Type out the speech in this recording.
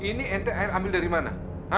ini ente air ambil dari mana